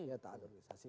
iya taat organisasi